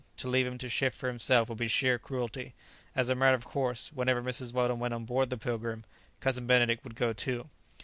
To leave him to shift for himself would be sheer cruelty. As a matter of course whenever Mrs. Weldon went on board the "Pilgrim," Cousin Benedict would go too.